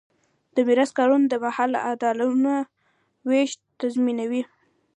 د میراث قانون د مال عادلانه وېش تضمینوي.